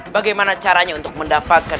bagaimana caranya untuk mendapatkan